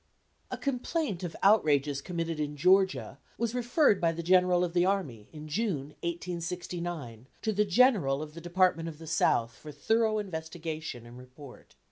A complaint of outrages committed in Georgia was referred by the general of the army, in June, 1869, to the general of the Department of the South for thorough investigation and report.